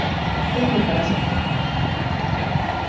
Күпме торасаҡ?